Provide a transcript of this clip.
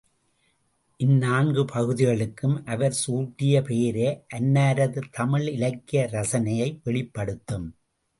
இந்நான்கு பகுதிகளுக்கும் அவர் சூட்டிய பெயரே அன்னாரது தமிழிலக்கிய ரசனையை வெளிப்படுத்தும்.